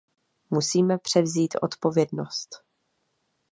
Musíme převzít odpovědnost.